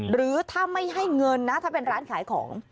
หรือถ้าไม่ให้เงินนะถ้าเป็นร้านขายของ